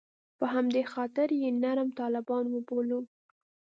په همدې خاطر یې نرم طالبان وبولو.